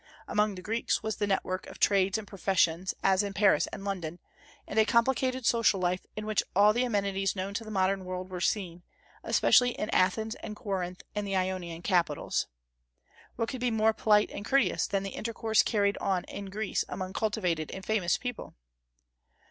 Among the Greeks was the network of trades and professions, as in Paris and London, and a complicated social life in which all the amenities known to the modern world were seen, especially in Athens and Corinth and the Ionian capitals. What could be more polite and courteous than the intercourse carried on in Greece among cultivated and famous people?